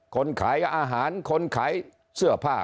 คนขายอาหารคนขายเสื้อผ้า